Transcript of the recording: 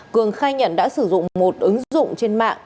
cường khai nhận đã sử dụng một ứng dụng trên mạng